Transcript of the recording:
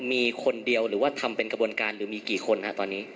มีคนเดียวหรือว่าทำเป็นกระบวนการหรือมีกี่คนฮะตอนนี้